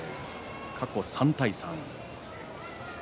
過去３対３。